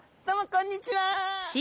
こんにちは。